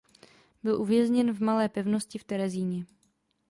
Byl vězněn v Malé pevnosti v Terezíně.